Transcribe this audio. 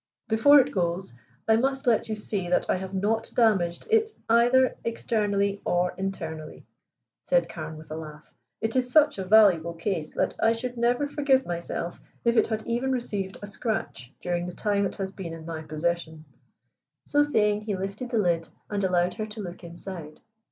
"Before it goes I must let you see that I have not damaged it either externally or internally," said Carne with a laugh. "It is such a valuable case that I should never forgive myself if it had even received a scratch during the time it has been in my possession." So saying he lifted the lid and allowed her to look inside.